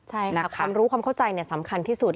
ใช่ครับความรู้ความเข้าใจเนี่ยสำคัญที่สุด